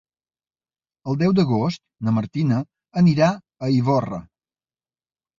El deu d'agost na Martina anirà a Ivorra.